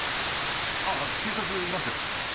ああ警察いますよ。